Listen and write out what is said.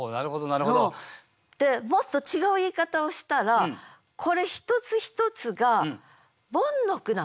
でもっと違う言い方をしたらこれ１つ１つがボンの句なんです。